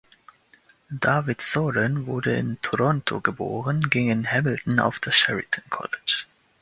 David Soren wurde in Toronto geboren ging in Hamilton auf das Sheridan College.